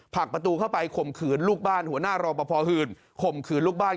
ผลักประตูเข้าไปข่มขืนลูกบ้านหัวหน้ารอปภหื่นข่มขืนลูกบ้าน